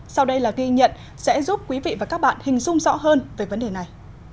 sau đây là ghi nhận sẽ giúp quý vị và các bạn hình dung rõ hơn về vấn đề này